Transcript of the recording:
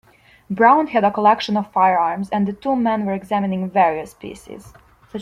Brown had a collection of firearms and the two men were examining various pieces.